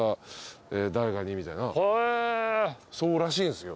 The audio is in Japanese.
そうらしいんすよ。